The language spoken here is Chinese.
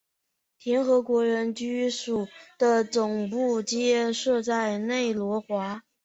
联合国人居署的总部皆设在内罗毕。